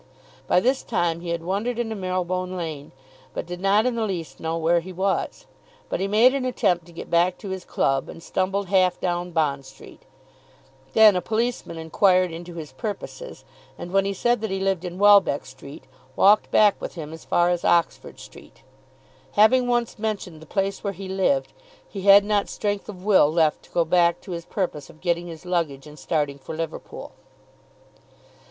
By this time he had wandered into Marylebone Lane, but did not in the least know where he was. But he made an attempt to get back to his club, and stumbled half down Bond Street. Then a policeman enquired into his purposes, and when he said that he lived in Welbeck Street, walked back with him as far as Oxford Street. Having once mentioned the place where he lived, he had not strength of will left to go back to his purpose of getting his luggage and starting for Liverpool.